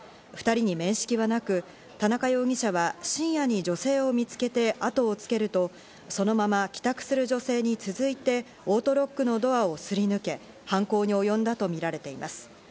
２人に面識はなく、田中容疑者は深夜に女性を見つけて、あとをつけるとそのまま帰宅する女性に続いてオートロックのドアをすり抜け、犯行に及んだとみられています。